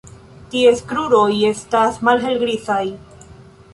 Ties kruroj estas malhelgrizaj.